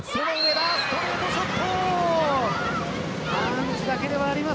ストレートショット。